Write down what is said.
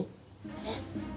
えっ？